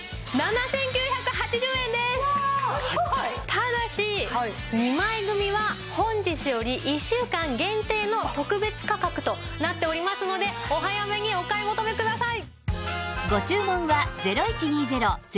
ただし２枚組は本日より１週間限定の特別価格となっておりますのでお早めにお買い求めください。